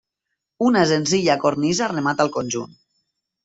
Una senzilla cornisa remata el conjunt.